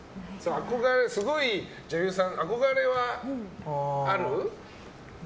すごい女優さん、憧れはある？